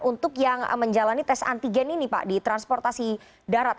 untuk yang menjalani tes antigen ini pak di transportasi darat